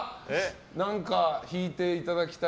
何か弾いていただきたい。